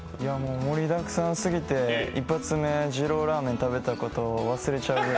盛りだくさんすぎて１発目二郎系ラーメンを食べたことを忘れるくらい。